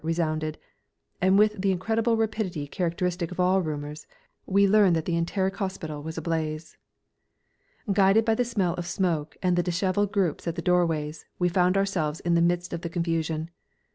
resounded, and with the incredible rapidity characteristic of all rumours we learned that the Enteric Hospital was ablaze. Guided by the smell of smoke and the dishevelled groups at the doorways, we found ourselves in the midst of the confusion.